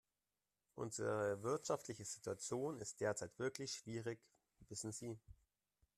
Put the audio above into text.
Unsere wirtschaftliche Situation ist derzeit wirklich schwierig, wissen Sie.